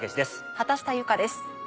畑下由佳です。